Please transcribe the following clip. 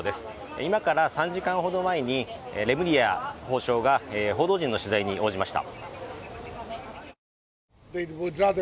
今から３時間ほど前にレムリヤ法相が報道陣の取材に応じました。